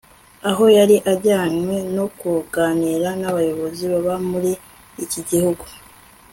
aho yari ajyanwe no kuganira n'abayobozi baba muri iki gihugu